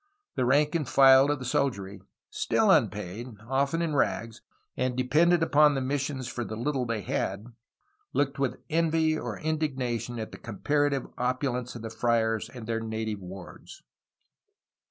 The rank and file of the soldiery, still unpaid, often in rags, and dependent upon the missions for the little they had, looked with envy or indigna tion at the comparative opulence of the friars and their native wards.